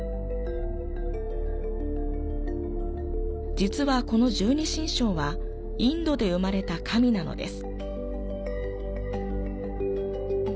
実はこの十二神将はインドで生まれた神なのです。